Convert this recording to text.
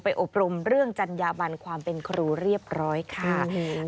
อบรมเรื่องจัญญาบันความเป็นครูเรียบร้อยค่ะ